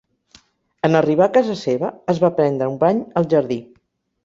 En arribar a casa seva, es va prendre un bany al jardí.